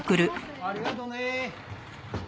ありがとうね。